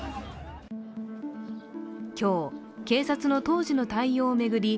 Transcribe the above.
今日、警察の当時の対応を巡り